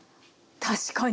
確かに。